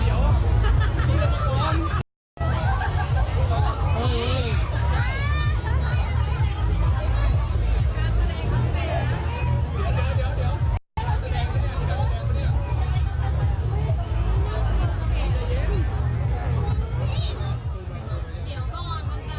โอ้โห